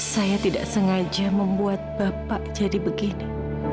saya tidak sengaja membuat bapak jadi begini